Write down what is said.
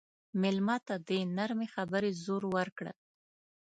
مېلمه ته د نرمې خبرې زور ورکړه.